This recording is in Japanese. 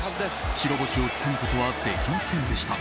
白星をつかむことはできませんでした。